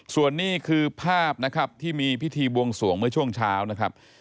ส่วนนี้คือภาพนะครับที่มีพิธีบวงสวงเมื่อช่วงเช้านะครับ